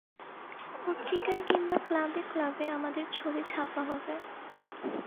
পত্রিকায় কিংবা ক্লাবে ক্লাবে আমাদের ছবি ছাপা হবে।